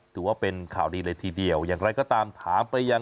ถือว่าเป็นข่าวดีเลยทีเดียวอย่างไรก็ตามถามไปยัง